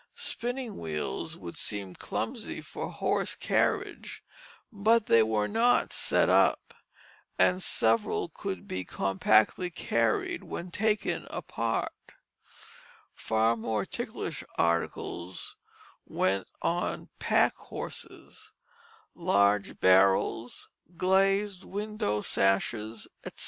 Spinning wheels would seem clumsy for horse carriage, but they were not set up, and several could be compactly carried when taken apart; far more ticklish articles went on pack horses, large barrels, glazed window sashes, etc.